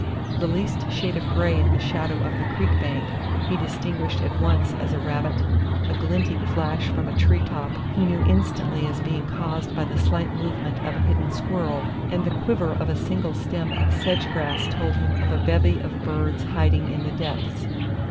The least shade of gray in the shadow of the creek bank he distinguished at once as a rabbit, a glinting flash from a tree top he knew instantly as being caused by the slight movement of a hidden squirrel, and the quiver of a single stem of sedge grass told him of a bevy of birds hiding in the depths.